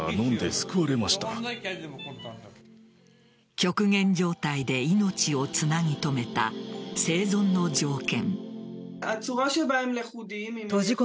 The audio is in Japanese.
極限状態で命をつなぎ留めた生存の条件。